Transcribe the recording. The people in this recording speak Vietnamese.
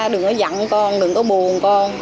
đừng có giận con đừng có buồn con